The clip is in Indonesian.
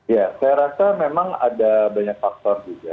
ya saya rasa memang ada banyak faktor juga